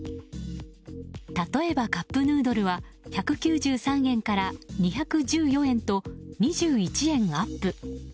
例えば、カップヌードルは１９３円から２１４円と２１円アップ。